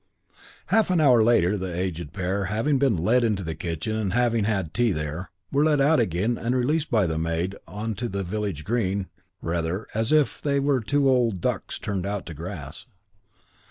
Half an hour later the aged pair, having been led into the kitchen and having had tea there, were led out again and released by the maid on to the village Green rather as if they were two old ducks turned out to grass.